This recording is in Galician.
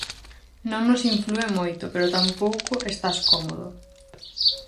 Non nos inflúe moito, pero tampouco estás cómodo.